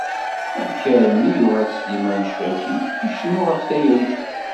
Amek armi yuɣal Sliman Cabbi icennu ɣef tayri?